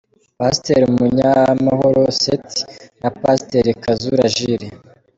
Pasteur Munyamahoro Seth na Pasiteri Kazura Jules.